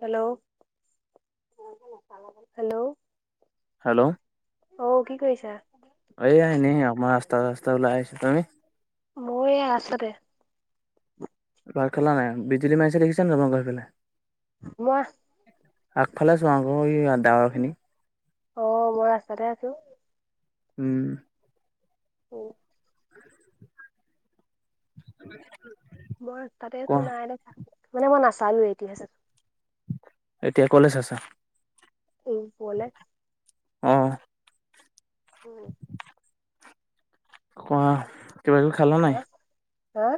Hello? Hello? Hello? অ কি কৰিছা এইয়া এনেই হে অকমান ৰা ৰাস্তা-ৰাস্তা ওলাই আহিছো, তুমি? ময়ে ৰাস্তাতে। ভাত খালা নাই, বিজুলী মাৰিছে দেখিছা নাই তোমাৰ ঘৰৰ হিফালে? মই আগফালে চোৱা আকৌ ডাৱৰখিনি। অ', মই ৰাস্তাতে আছো। উম'। অ'। [unintelligible] মই তাতে আছোঁ কোৱা নাই দেখা মই নাচালো এতিয়া এতিয়া কলেজ আছে। এই ওপৰলে অ'। কোৱা, কিবা কিবি খালা নাই? হা হা?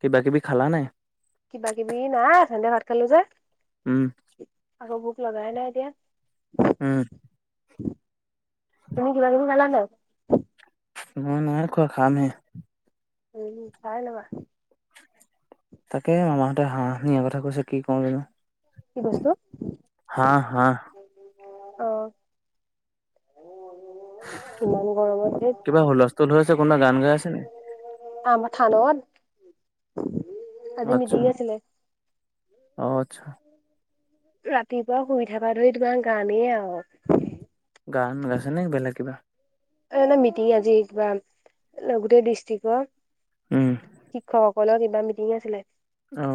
কিবা কিবি খালা নাই? কিবা কিবি নাই অথনিতে ভাত খালো যে। উম'। আকৌ ভুক লগাই নাই এতিয়া। উম'। তুমি কিবা কিবি খালা নাই? মই নাই খোৱা খামহে। উম', খাই লোৱা। তাকে মামাহঁতে হাঁহ নিয়াৰ কথা কৈছে কি কওঁ জানো। কি বস্তু? হাঁহ-হাঁহ। অ'। ইমান গৰমত ধেত কিবা হুলস্থুল হৈ আছে, কোনবা গান গাই আছে নি? আমাৰ থানত আজি আচ্ছা, মিটিং আছিলে অ' আচ্ছা। ৰাতিপুৱা শুই উঠাৰ ধৰি তোমাৰ গানেই আও। গান গাইছে নে বেলেগ কিবা? এ এনে মিটিং আজি কিবা, গোটেই ডিষ্ট্ৰিকৰ। উম শিক্ষকসকলৰ কিবা মিটিং আছিলে। অ'।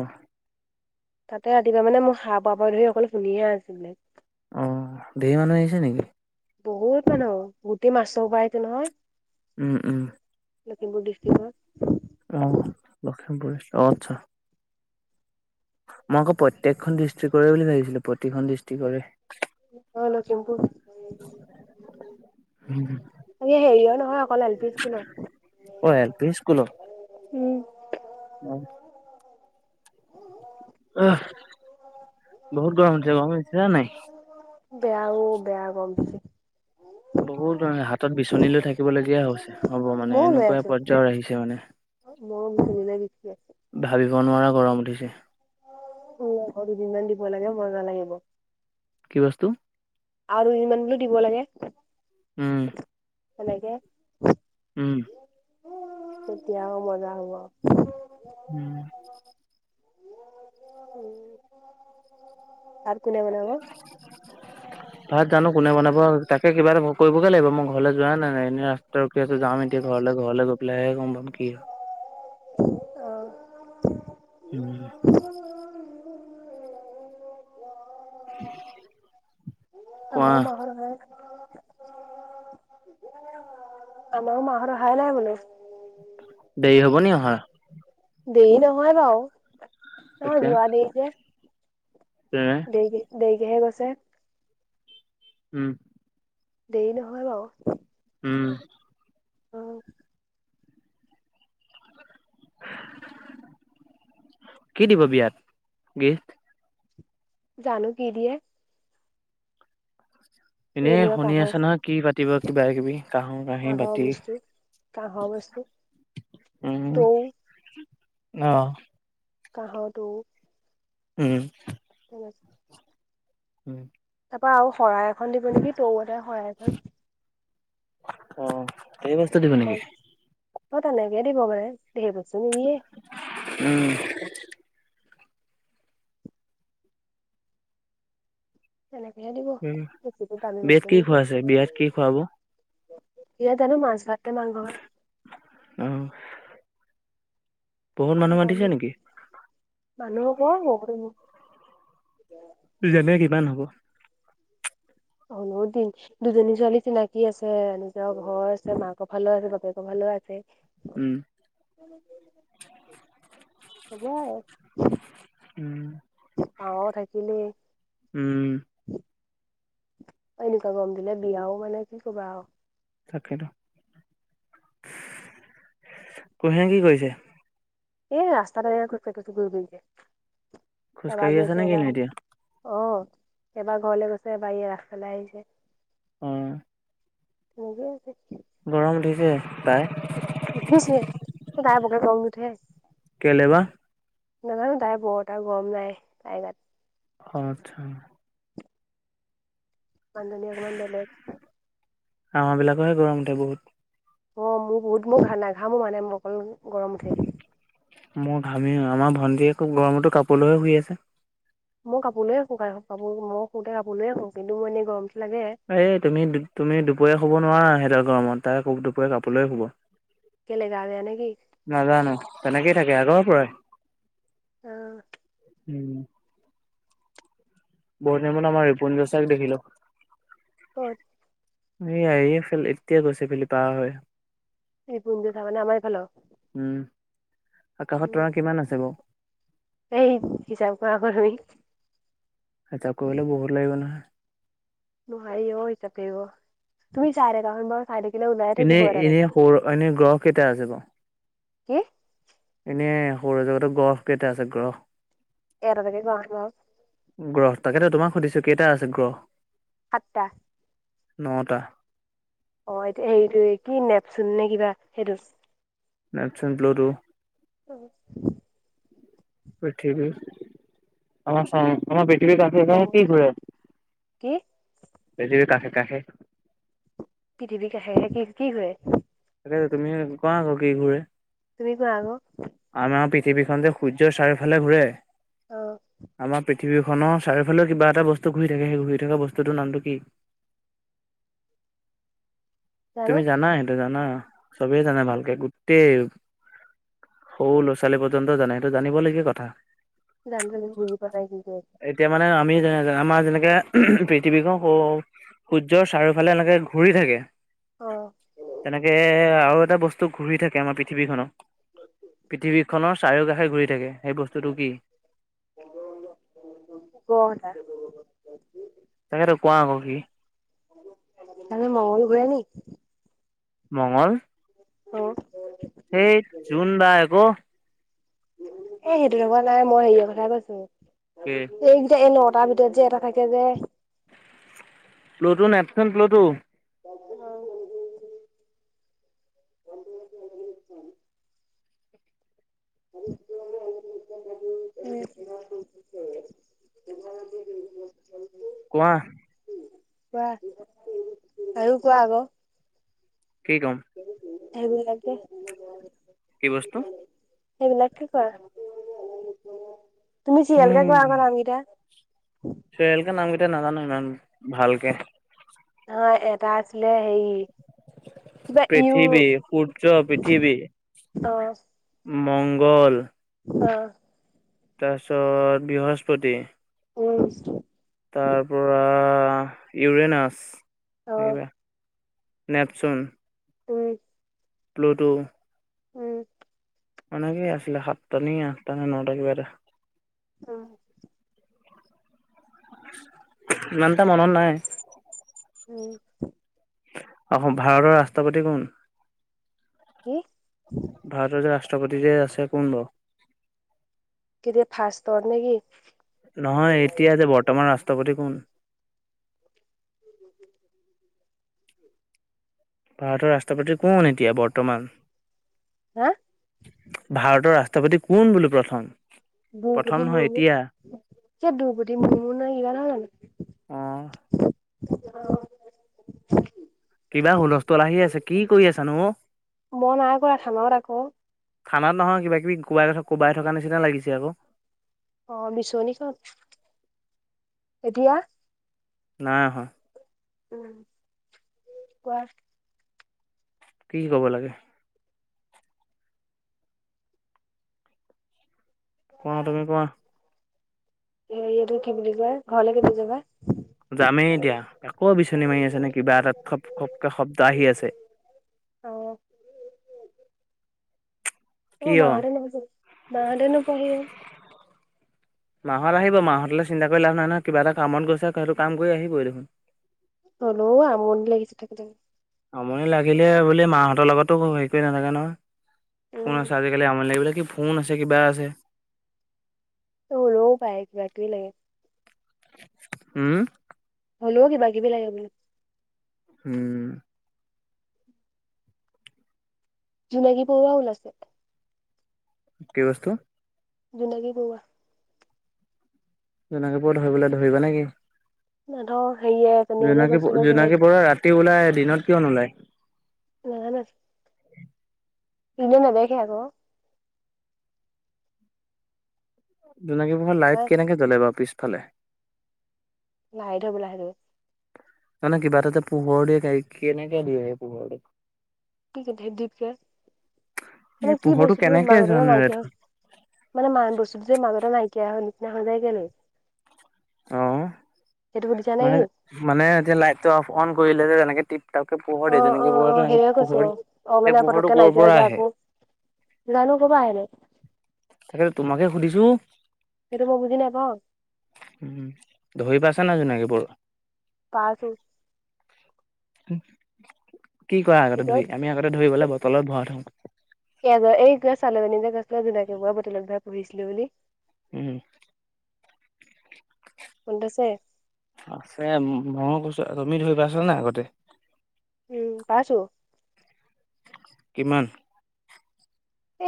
তাতে ৰাতিপুৱা মানে মোৰ সাহ পৰা ধৰি অকল শুনিহে আছিলো। অ', ধেৰ মানুহ আহিছে নেকি? বহুত মানহ, গোটেই মাষ্টৰ সোপা আহিছে নহয়। উম'-উম'। লখিমপুৰ ডিষ্ট্ৰিক্ট ৰ। অ', লখিমপুৰ। অ', আচ্ছা। মই আকৌ প্ৰত্যেকখন ডিষ্ট্ৰিকৰে বুলি ভাবিছিলো প্ৰতিখন ডিষ্ট্ৰিক্টৰে। অ', লক্ষীমপুৰ। এ, হেৰিয় নহয় অকল এল পি অ', এল স্কুলত। উম। অ'। এ বহুত গৰম উঠিছে, গৰম লাগিছে না নাই? বেয়াও বেয়া গৰম দিছে। বহুত মানে হাতত বিচনী লৈ থাকিব লগীয়া হৈছে, হ'ব মানে ময়ো লৈ এনেকুৱা আছো পৰ্যায়ৰ আহিছে মানে। মোৰো বিচনীলে বিছি আছে ভাবিব নোৱাৰা গৰম উঠিছে। উম, বৰষুণ দুদিনমান দিব লাগে মজা লাগিব। কি বস্তু? আৰু দুদিনমান বোলে দিব লাগে। উম। তেনেকে উম, তেতিয়াও মজা হব। উম। [unintelligible] আৰু কোনে বনাব? ভাত জানো কোনে বনাব, তাকে কিবা এটা কৰিবগে লাগিব মই ঘৰলৈ যোৱাই নাই। এনে ৰাস্তাত ৰখি আছো যাম এতিয়া ঘৰলৈ, ঘৰলৈ গৈ পেলাইহে গম পাম কি হয়। অ'। উম। অ কোৱা আমাৰো মাহত আমাৰো মাহত অহাই নাই বোলে। দেৰি হ'ব নি অহা? দেৰি নহয় বাও। অ', এতিয়া যোৱা দেৰি যে। দেৰি-দেৰিকেহে গছে। উম। দেৰি নহয় বাও। উম। অ'। কি দিব বিয়াত, গিফট? জানো কি দিয়ে। এই এনেই এনেকুৱা শুনি কাঁহৰ আছে নহয় কি পাতিব, কিবা-কিবি কাহৰ কাঁহৰ কাহি-বাতি। বস্তু কাঁহৰ বস্তু। উম, তৌ অহ। কাঁহতো উম তেম [unintelligible] উম তাৰ আৰু শৰাই এখন দিব নেকি তউ এটা শৰাই এখন৷ অঁ ধৈই বস্তু দিব নেকি? অঁ তেনেকে দিব পাৰে। ধেৰ বস্ত নিদিয়ে। উম তেনেকেহে দিব উম বেছিটো দামী বিয়াত বস্তু কি নিদিয়ে খোৱাছে বিয়াত কি খুৱাব? এয়াত হেনো মাছ নে মাংস ভাত অ বহুত মানুহ গম মাতিছে নিকি? মানুহ ক বহুত মানুহ। যেনে কিমান হব? অ', বহুত দিন। দুজনী ছোৱালী চিনাকী আছে, নিজৰ ঘৰ আছে, মাকৰ ফালে আছে বাপেকৰ ফালে আছে। উম হ'ব। উম। পাওঁ থাকিলে উম। এনেকুৱা গৰম দিলে বিয়াও মানে কি কবা আৰু তাকে তো কুহে কি কইছে? এ ৰাস্তাত এ এু ফ আছো ঘকে খোজকাঢ়ি এবাৰ আছে নে গৈছে এবাৰ কিনো এতিয়া? আহিছে৷অঁ এবাৰ ঘৰলে গৈছে এবাৰ আগফালে আহিছে৷ অঁ থ গেছে গৰম উঠিছে। পাই তাই বকে গং নঠে কেলে বা? নাজানো তাই বৰতা আৰু গৰম নাই তাইগাত৷ আত্ছা মানুহ জনি অলপ বেলেগ। আমাৰ বিলাকৰহে গৰম উঠে বহুত৷ অঁ মোৰ বহুত মোৰ ঘ না ঘামো মানে মোৰ অকল গৰম উঠে৷ মোৰ ঘামি আমাৰ ভন্টীয়ে খুব গৰমতো কাপোৰ লয়ে শুই আছে৷ মই কাপোলৈয়ে শো কাপোৰ মো মই শুওতে কাপলৈয় শুওঁ কিন্তুই এনেই গৰম এই তুমি-তুমি দুপৰীয়া শুব নোৱাৰা সিহঁতৰ গৰমত তাই দুপৰীয়া কাপোৰে শুব। কেলে গা বেয়া নেকি নাজানো তেনেকেই থাকে আগৰ পৰাই অহঁ। উম। পৰহি আমাৰ ৰিপুঞ্জ চাৰক দেখিলো৷ ক'ত? এয়া এফালে এতিয়া গৈছে এই ফালে দি পাৰ হৈ৷ এই ৰিপুঞ্জয় চাৰ মানে আমাৰ এই ফালৰ? উম আকাশত তৰা কিমান আছে বৌ? সেই হিচাপ কৰা আকৌ তুমি। আতচা কৰিবলে বহুত লাগিব নহয়৷ নোৱাৰি অঁ হিচাপ কৰিব তুমি চাঁই থাকা চোন বাউ৷ এনেই-এনেই সৰু এনে গ্ৰহ কেইটা আছে বাৰু? কি? এনে সৌৰজগতৰ গ্ৰহ কেইটা আছে গ্ৰহ? এটা এটা কে কোৱা চোন [unintelligible] গ্ৰহ তাকেতো তোমাক সুধিছো কেইটা আছে গ্ৰহ সাতটা নটা অ এটোয়া হেৰিটো কি নেপচোন নে কিবা সেইটো নেপচন ব্লটো [unintelligible] [inaudible] বঠ আমাৰ আমাৰ [unintelligible] পৃথিৱীৰ কাষে কাষে মংগল কি ঘৰে কি পৃথিৱীৰ কাষে কাষে পৃথিৱীৰ কাষে কাষে কি কৰে [unintelligible] ক আকৌ কি ঘূৰে? তুমি কোৱা আকৌ পৃথিৱীখনতে সূৰ্যৰ চাৰিওফালে ঘূৰে অ আমাৰ পি পৃথিৱীৰ খনৰ চাৰিওফালেও কিবা এটা বস্তু ঘূৰি থাকে সেই ঘূৰি থকা বস্তুটোৰ নামটো কি? [unintelligible] তুমি জানা সেইটো জানা চবেই জানা ভালকে গোটেই সৰু ল'ৰা ছোৱালী পৰ্যন্ত জানে এইটো জানিব লাগীয়া কথা জানো-জানো বুজি পোৱা নাই কি কৈ আছা৷ যে আমাৰ যেনেকে পৃথিৱীখন সৌ সূৰ্যৰ চাৰিওফালে এনেকে ঘূৰি থাকে আছো। অ তেনেকে আৰু এটা বস্তু ঘূৰি থাকে আমাৰ পৃথিৱীখনত পৃথিৱী খনৰ চাৰিও কাষে ঘূৰি থাকে সেই বস্তুটো কি ক [unintelligible] তাকেতো কোৱা আক কি আৰু মঙ্গল গ্ৰহ নি [unintelligible] মংগল অ সেই জুন বাই আকৌ এ সেইটো থকা নাই মই হেৰিয় কথাই কৈছো এইকেই তাৰ ভিতৰত যে এটা থাকে যে প্লুডু নেপচন প্লুটু [unintelligible] [unintelligible] [inaudible] [unintelligible] [inaudible] কোৱা কোৱা আৰু কোৱা আকৌ কি কম সেইবিলাকে কি বস্তু সেইবিলাকে কৰা তুমি চিয়েলকে উম কৰা নামকেইটা [unintelligible] চিৰিয়েলকে নামকেইটা নাজানো ইমান ভালকে ন এটা আছিলে হেৰি কিবা ইউ পৃথিৱীৰ সূৰ্য পিঠিবি অ মংগল অ তাৰপিছত বৃহস্পতি উম তাৰ পৰা ইউৰেনাছ অ নেপচোন উম প্লুটো উম অনেকেই আছিলে সাতটানে আঠটা নে নটাকে কিবা এটা উহ ইমানটা মনত নাই। উম অসম ভাৰতৰ ৰাষ্ট্ৰপতি কোন? কি? ভাৰতৰ যে ৰাষ্ট্ৰপতি যে আছে কোনবাৰো? এ ফাষ্টত নে কি? নহয় এতিয়া যে বৰ্তমান ৰাষ্ট্ৰপতি কোন? উ [unintelligible] ভাৰতৰ ৰাষ্ট্ৰপতি কোন এতিয়া বৰ্তমান? হা ভাৰতৰ ৰাষ্ট্ৰপতি কোন বোলো প্ৰথম? প্ৰথম দ্ৰৌপদী নহয় মূৰ্মু এতিয়া যে দ্ৰৌপদী মূৰ্মু নে কিবা নহয় জানো? [unintelligible] অ', অ [unintelligible] কিবা হুলস্থুল আহি আছে, কি কৰি আছানো অহ মই নাই কৰা, খানাত আকৌ। [unintelligible] থানাত নহয় কিবাকিবি কোবাই কোবাই থকা নিচিনা লাগিছে আকৌ। অহ বিছনীখন, এতিয়া? নাই অহা। উম---কোৱা কি ক'ব লাগে? কোৱা, তুমি কোৱা এ ইয়াতো কি বুলি কয়, ঘৰলে কেতিয়া যাবা? যামেই এতিয়া, আকৌ বিচনী মাৰি আছে নে, কিবা এটাত খপ খপকৈ শব্দ আহি আছে। অহ অ কিয়? মা হতে মা নোপোৱাহি হ'ল। মা হত আহিব, মাহঁতলৈ চিন্তা কৰি লাভ নাই নহয়, কিবা এটা কামত গৈছে সেইটো কাম কৰি আহিবই দেখোন। হ'লেও আমনি লাগিছে থাকি থাকি। আমনি লাগিলে বোলি মাহঁতৰ লগতো হেৰি কৰি নাথাকে নহয়, ফোন উম, আছে আজিকালি আমনি লাগিবলে কি ফোন আছে কিবা আছে। অ লৌ পায় কিবা-কিবি লাগে্ উম হ'লেও কিবা-কিবি লাগে বুলো। হম জোনাকী পৰুৱা ওলাইছে। কি বস্তু? জোনাকী পৰুৱা। জোনাকী পৰুৱা ধৰিবলৈ, ধৰিবা নেকি? সিহঁতৰ হেৰিয়ে এজনীয়ে যে জোনাকী গৈছিলে জোনাকী পৰুৱা ৰাতি ওলাই দিনত কিয় ওলায়? নাযানে এনে নেদেখে আকৌ। জোনাকী পৰুৱা লাইট তাই কেনেকে জ্বলে বাৰু পিছফালে? লাইট হ'বলা সেইটো? না-না কিবা এটা যে পোহৰ দিয়ে, গা কেনেকে দিয়ে সেই পোহৰটো? কি যে ধিপ-ধিপ কে মানে এই কি পোহৰটো বস্তুটো কেনেকে মাজে মাজে, জেনেৰেট নাইকিয়াওক হয়? মানে বস্তুটো যে মাজতে নাইকা কেয়াহ নিচিনা হৈ যায় কেলে? অহ সেইটো সুধিছা নেকি? মানে এতিয়া লাইট টো অফ-অন কৰিলে যে যেনেকে অহ'-অহ'-অহ', সেইয়া কৈছো, অ', সেই মানে পোহৰটো পতকে ক'ৰ নাইকিয়া হৈ পৰা যায় আক। আহে জানো ক'পা আহেনো? তাকে টো তোমাকে সুধিছো? সেইটো মই বুজি নাপাও। উম', ধৰি পাইছে না জোনাকি পৰুৱা? পাইছো। উ [unintelligible] কি কৰা আগতে এতিয়াও ধৰি? আমি আগতে ধৰিবলে বটলত ভৰা থওঁ। জোনাকে মই বটলত ভৰা [unintelligible] পঢ়িছিলো বুলি। উম'। উন্দছেে [unintelligible] আছে মনত আছে, তুমি ধৰি পইচা নে আগতে? উম পাইছো। কিমান?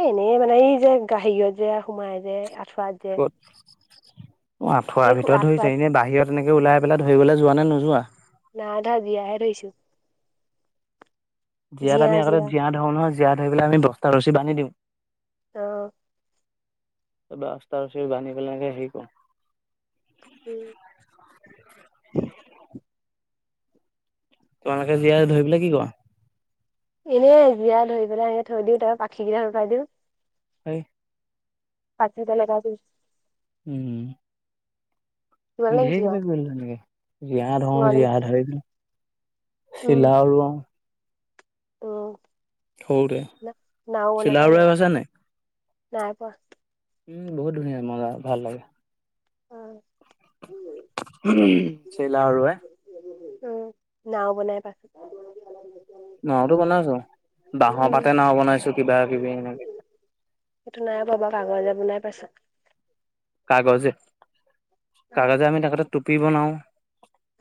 এ এনেই মানে এই যে গাহিৰত যে সোমাই যে, আঁঠুৱাত যে ক'ত, অ এই আঠুৱাৰ ভিতৰত ধৰিছে আঁঠুৱাত এনে বাহিৰত এনেকে ওলাই পেলাই ধৰিবলে যোৱা নে নোযোৱা? নাই ধৰা, জীয়া হে ধৰিছো। জীয়াত আমি আগতে জীয়া ধৰো নহয়, জীয়া ধৰি পেলাই আমি বস্তা ৰচি বান্ধি দিওঁ। অহ'। ত ৰাস্তা আ্ত ব্ধি [unintelligible] পেলাইকে হেৰি কৰো, উম'। তোমালোকে জীয়াই ধৰি পেলাই কি কোৱা? এনেই জীয়া ধৰি পেলাই সনে থৈ দিও, তাৰপা পাখি কেইটা শুকাই দিওঁ। হয় [unintelligible] পচতেলেে ক [unintelligible] উম'। তোমালোকে কি ধকিব কৰা গলা নেকি [unintelligible] জীয়া ধৰো, জীয়া তোমালোকে ধৰি উম চিলা ওৰাও। উম', সৰুতে ন-নাও বনাই চিলাও হয় নাই? ৰোৱাই পাইছা নাই প- উম বহুত ধুনীয়া মজা ভাল লাগে। উম'। চিলা উৰোৱাই। উম', নাও বনাই পাছত নাওতো বনাইছো, বাহৰ পাতে নাও বনাইছো কিবা কিবি এনেকে। সেইটো নাই বাবা কাহজে বনাই পাইছা? কাগজে-কাগজে আমি আগতে টোপি বনাও।